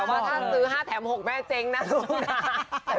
ว่าถ้าซื้อ๕แถม๖แม่เจ๊งนะลูกนะ